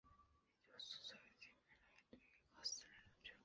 研究所的全部经费来源都是依靠私人的捐款。